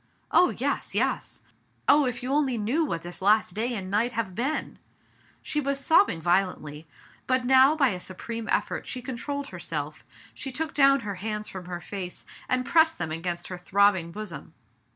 "Oh, yes, yes ! Oh, if you only knew what this last day and night have been !*' She was sobbing violently, but now, by a supreme effort, she con trolled herself ; she took down her hands from her face, and pressed them against her throbbing bosom.